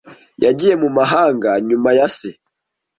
Yagiye mu mahanga nyuma ya se.